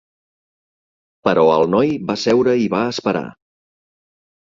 Però el noi va seure i va esperar.